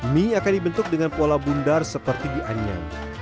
mie akan dibentuk dengan pola bundar seperti dianyang